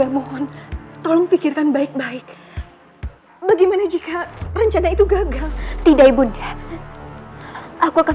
mohon tolong pikirkan baik baik bagaimana jika rencana itu gagal tidak ibunda aku akan